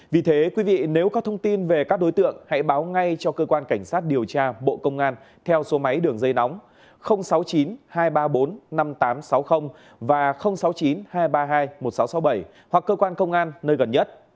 vì thế quý vị nếu có thông tin về các đối tượng hãy báo ngay cho cơ quan cảnh sát điều tra bộ công an theo số máy đường dây nóng sáu mươi chín hai trăm ba mươi bốn năm nghìn tám trăm sáu mươi và sáu mươi chín hai trăm ba mươi hai một nghìn sáu trăm sáu mươi bảy hoặc cơ quan công an nơi gần nhất